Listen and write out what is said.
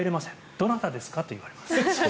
どなたですか？と言われます。